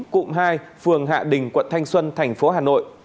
cụm hai phường hạ đình quận thanh xuân tp hà nội